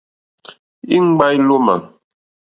Íŋɡbâ ílómà.